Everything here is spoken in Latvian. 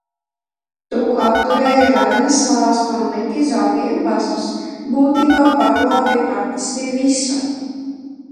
Tu apturēji raganas lāstu, un liki zombijiem pazust, būtībā paglābi praktiski visu!